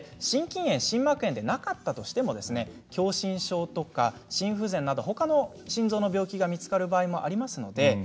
心筋炎、心膜炎でなかったとしても狭心症や心不全などほかの病気が見つかる場合があります。